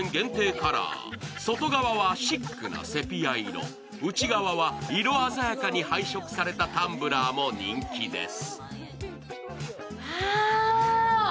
カラー外側はシックなセピア色、内側は色鮮やかに配色されたタンブラーも人気です。